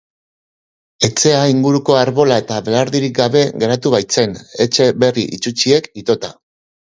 Etxea inguruko arbola eta belardirik gabe geratu baitzen, etxe berri itsusiek itota.